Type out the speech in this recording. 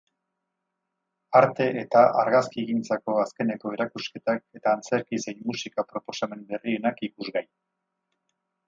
Arte eta argazkigintzako azkeneko erakusketak eta antzerki zein musika proposamen berrienak ikusgai.